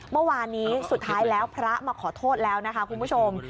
เมื่อวานนี้สุดท้ายแล้วพระมาขอโทษแล้วนะคะคุณผู้ชม